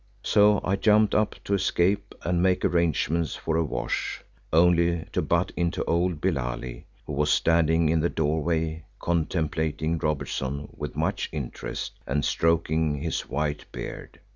So I jumped up to escape and make arrangements for a wash, only to butt into old Billali, who was standing in the doorway contemplating Robertson with much interest and stroking his white beard.